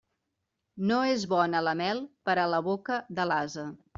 No és bona la mel per a la boca de l'ase.